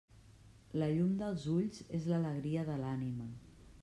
La llum dels ulls és l'alegria de l'ànima.